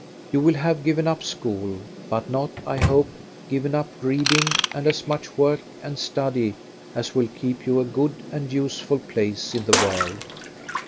You will have given up school, but not, I hope, given up reading and as much work and study as will keep you a good and useful place in the world.